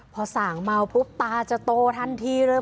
พอส่างเมาปุ๊บตาจะโตทันทีเลย